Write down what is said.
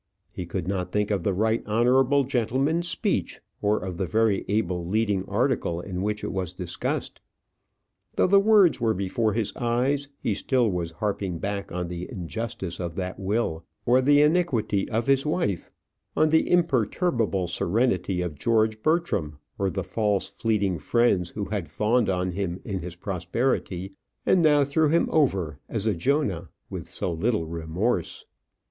He could not think of the right honourable gentleman's speech, or of the very able leading article in which it was discussed. Though the words were before his eyes, he still was harping back on the injustice of that will, or the iniquity of his wife; on the imperturbable serenity of George Bertram, or the false, fleeting friends who had fawned on him in his prosperity, and now threw him over, as a Jonah, with so little remorse.